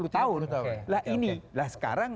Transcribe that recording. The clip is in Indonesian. tiga puluh tahun lah ini lah sekarang